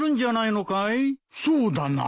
そうだな。